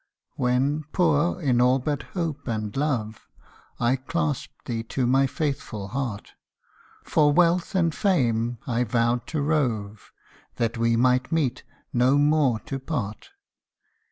WHEN, poor in all but hope and love, I clasped thee to my faithful heart ; For wealth and fame I vowed to rove, That we might meet no more to part